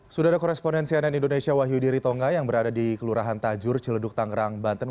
sudah ada korespondensi ann indonesia wahyu diritonga yang berada di kelurahan tajur ciledug tangerang banten